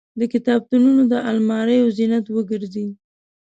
د کتابتونونو د الماریو زینت وګرځي.